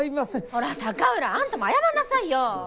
ほら高浦あんたも謝んなさいよ。